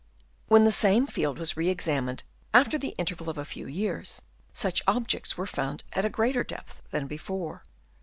When the same field was re ex amined after the interval of a few years, such objects were found at a greater depth than before.